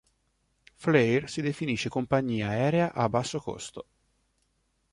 Flair si definisce Compagnia aerea a basso costo.